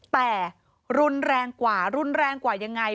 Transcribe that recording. แต่รุนแรงกว่ารุนแรงกว่ายังไง